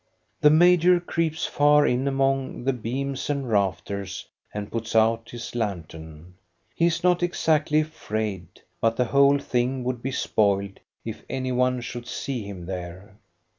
The major creeps far in among the beams and rafters, and puts out his lantern. He is not exactly afraid, but the whole thing would be spoiled if any one should see him there.